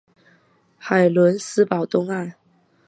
海伦斯堡东岸。